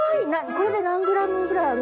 これで何ｇぐらいある？